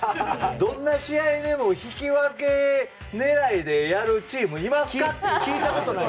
どんな試合でも引き分け狙いでやるチームいますか？